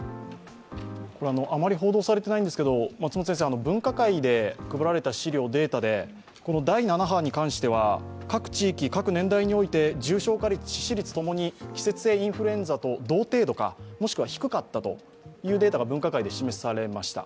僕あまり報道されていないんですけど分科会で配られた、データ資料でこの第７波に関しては各地域、各年代において重症化率・致死率ともに季節性インフルエンザと同程度か低かったと分科会で示されました。